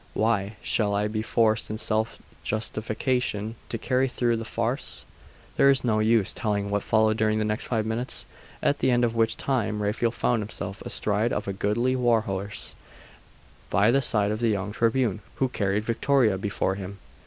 Why, I shall be forced, in self justification, to carry through the farce!' There is no use telling what followed during the next five minutes, at the end of which time Raphael found himself astride of a goodly war horse, by the side of the young Tribune, who carried Victoria before him.